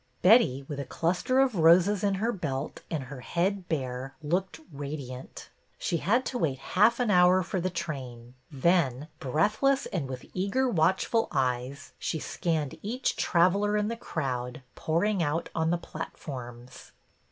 Betty, with a cluster of roses in her belt and her head bare, looked radiant. She had to wait half an hour for the train. Then, breathless and with eager, watchful eyes, she scanned each traveler in the crowd pouring out on the platforms.